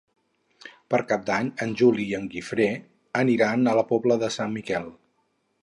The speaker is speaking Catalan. Per Cap d'Any en Juli i en Guifré aniran a la Pobla de Sant Miquel.